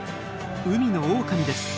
海のオオカミです。